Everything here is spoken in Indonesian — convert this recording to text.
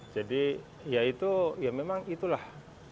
jadi ya itu ya memang itulah